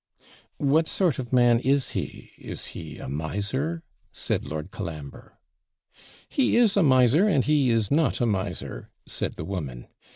'What sort of a man is he; Is he a miser?' said Lord Colambre. 'He is a miser, and he is not a miser,' said the woman.